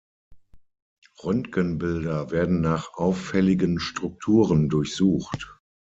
Röntgenbilder werden nach auffälligen Strukturen durchsucht.